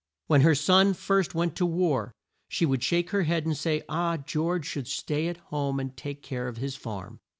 When her son first went to war, she would shake her head and say, "Ah, George should stay at home and take care of his farm."